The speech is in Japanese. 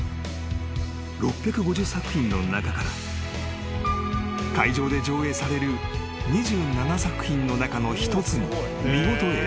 ［６５０作品の中から会場で上映される２７作品の中の１つに見事選ばれたのだ］